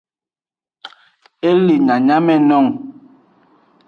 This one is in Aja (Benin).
E le nyanyamenung.